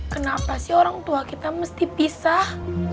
kenapa sih orang tua kita mesti pisah